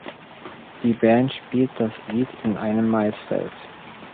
Die Band spielt das Lied in einem Maisfeld.